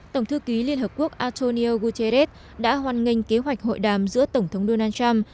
tổng thư ký liên hợp quốc antonio guterres đã hoan nghênh kế hoạch hội đàm giữa tổng thống donald trump